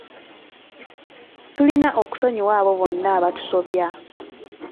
Tulina okusonyiwa abo bonna abatusobya.